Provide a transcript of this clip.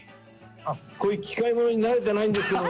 こういう機械ものに慣れてないんですけど。